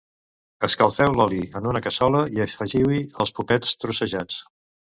Escalfeu l'oli en una cassola i afegiu-hi els popets trossejats.